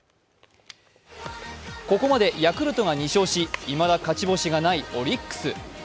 ここまでヤクルトが２勝し、いまだ勝ち星がないオリックス。